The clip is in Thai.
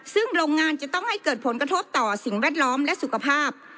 ซึ่งโรงงานจะต้องให้เกิดผลกระทบต่อสิ่งแวดล้อมและสุขภาพ